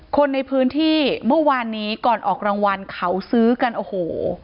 คนในพื้นที่เมื่อวานนี้ก่อนออกรางวัลเขาซื้อกันโอ้โห